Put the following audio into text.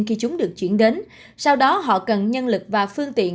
khi chúng được chuyển đến sau đó họ cần nhân lực và phương tiện